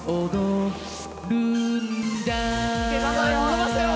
のばせよ！